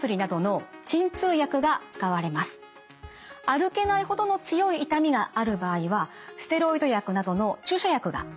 歩けないほどの強い痛みがある場合はステロイド薬などの注射薬が使われます。